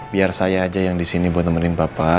biar saya aja yang disini buat nemenin papa